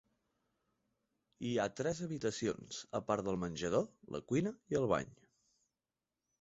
Hi ha tres habitacions, a part del menjador, la cuina i el bany.